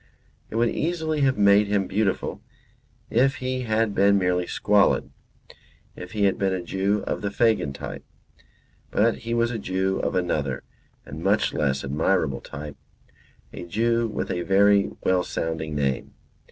It would easily have made him beautiful if he had been merely squalid; if he had been a Jew of the Fagin type. But he was a Jew of another and much less admirable type; a Jew with a very well sounding name.